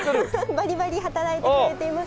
バリバリ働いてくれています。